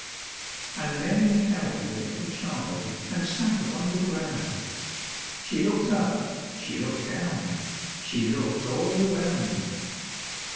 And Mary held the little child And sat upon the ground; She looked up, she looked down, She looked all around.